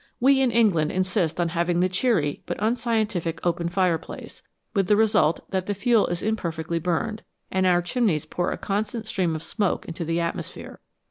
We in England insist on having the cheery but unscientific open fireplace, with the result that the fuel is imperfectly burned, and our chimneys pour a constant stream of smoke into the atmosphere.